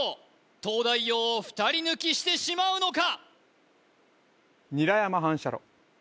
東大王を２人抜きしてしまうのか？